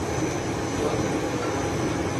Yooti tooru.